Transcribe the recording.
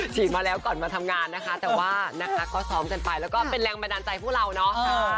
มาแล้วก่อนมาทำงานนะคะแต่ว่านะคะก็ซ้อมกันไปแล้วก็เป็นแรงบันดาลใจพวกเราเนาะ